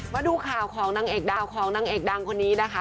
มาดูข่าวของนางเอกดาวของนางเอกดังคนนี้นะคะ